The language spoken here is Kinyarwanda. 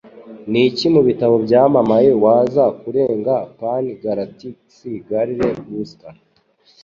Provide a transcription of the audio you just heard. Niki Mubitabo Byamamare Waza Kurenga Pan Galactic Gargle Buster?